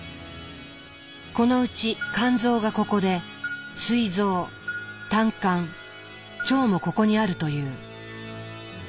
このうち肝臓がここですい臓胆管腸もここにあるという。